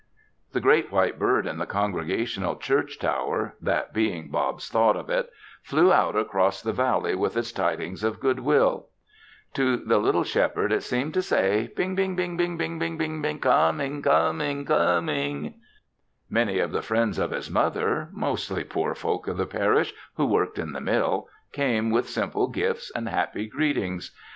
The great white bird in the Congregational Church tower that being Bob's thought of it flew out across the valley with its tidings of good will. To the little Shepherd it seemed to say: "Bing Bing Bing Bing Bing Bing! Com ing, Com ing, Com ing!!" Many of the friends of his mother mostly poor folk of the parish who worked in the mill came with simple gifts and happy greetings.